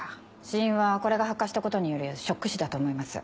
死因はこれが発火したことによるショック死だと思います。